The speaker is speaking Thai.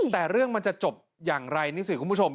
แต่เรื่องมันจะจบอย่างไรนี่สิคุณผู้ชม